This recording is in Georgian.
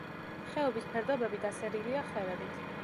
ხეობის ფერდობები დასერილია ხევებით.